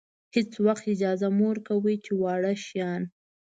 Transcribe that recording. هېڅ وخت اجازه مه ورکوئ چې واړه شیان.